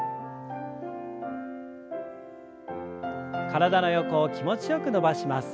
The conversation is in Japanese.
体の横を気持ちよく伸ばします。